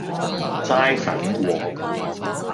齋粉果